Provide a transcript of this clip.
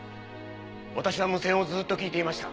私は無線をずっと聞いていました。